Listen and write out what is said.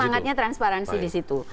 semangatnya transparansi disitu